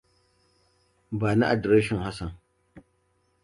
Bani adireshin Hassan.